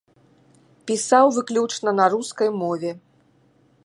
Пісаў выключна на рускай мове.